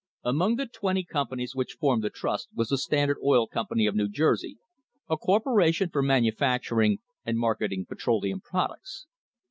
Among the twenty com panies which formed the trust was the Standard Oil Company of New Jersey, a corporation for manufacturing and market ing petroleum products.